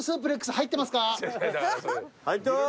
入ってまーす。